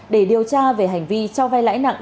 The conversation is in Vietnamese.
để điều tra về hành vi cho vay lãi nặng